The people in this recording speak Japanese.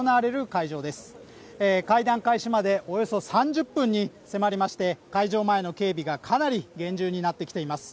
会談開始までおよそ３０分に迫りまして、会場前の警備がかなり厳重になってきています。